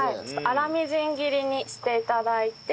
粗みじん切りにして頂いて。